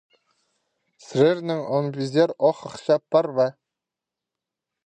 Сірернің он пизер оох ахча пар ба?